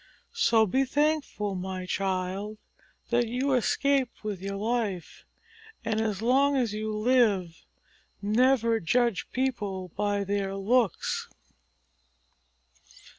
So be thankful, my child, that you escaped with your life, and, as long as you live, never judge people by their looks."